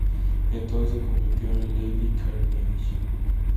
Entonces se convirtió en "Lady Carnegie".